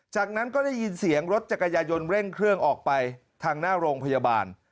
จากนั้นก็ได้ยินเสียงรถจักรยายนเร่งเครื่องออกไปทางหน้าโรงพยาบาล